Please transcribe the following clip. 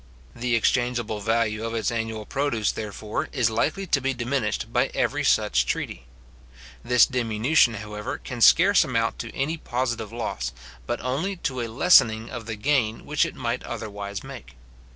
The exchangeable value of its annual produce, therefore, is likely to be diminished by every such treaty. This diminution, however, can scarce amount to any positive loss, but only to a lessening of the gain which it might otherwise make.